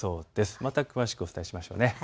また詳しくお伝えしましょうね。